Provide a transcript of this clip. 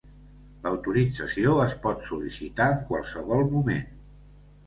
L'autorització es pot sol·licitar en qualsevol moment.